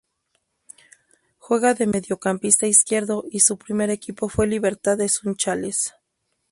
Juega de mediocampista izquierdo y su primer equipo fue Libertad de Sunchales.